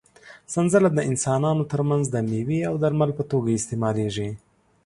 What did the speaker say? سنځله د انسانانو تر منځ د مېوې او درمل په توګه استعمالېږي.